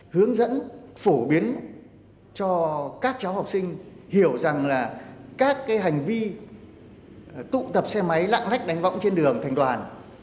hướng dẫn phổ biến cho các cháu học sinh hiểu rằng là các hành vi tụ tập xe máy lạng lách đánh võng trên đường thành đoàn